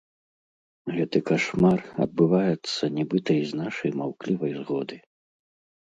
Гэты кашмар адбываецца нібыта і з нашай маўклівай згоды.